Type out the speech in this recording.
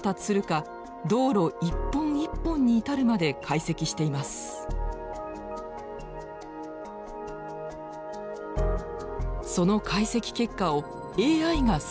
その解析結果をＡＩが全て学習。